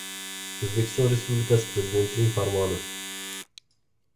O‘zbekiston Respublikasi Prezidentining Farmoni